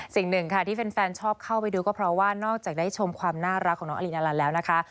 สิ่งหนึ่งค่ะที่แฟนชอบเข้าไปดูก็เพราะว่านอกจากได้ชมความน่ารักของน้องอลินอลันแล้วนะคะ